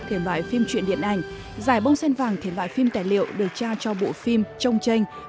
thể loại phim truyện điện ảnh giải bông sen vàng thể loại phim tài liệu được trao cho bộ phim trông tranh